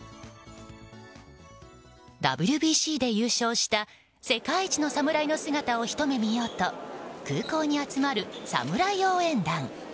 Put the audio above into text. ＷＢＣで優勝した世界一の侍の姿をひと目見ようと空港に集まる侍応援団。